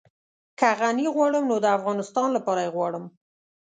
که غني غواړم نو د افغانستان لپاره يې غواړم.